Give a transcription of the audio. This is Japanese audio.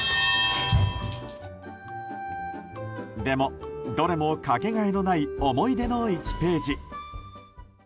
でも、どれもかけがえのない思い出の１ページ。